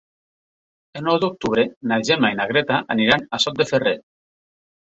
El nou d'octubre na Gemma i na Greta aniran a Sot de Ferrer.